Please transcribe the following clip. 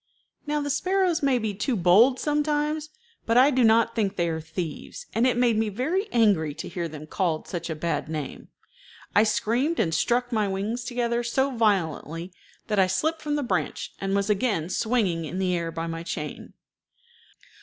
Now the sparrows may be too bold sometimes, but I do not think they are thieves, and it made me very angry to hear them called such a bad name. I screamed and struck my wings together so violently that I slipped from the branch, and was again swinging in the air by my chain.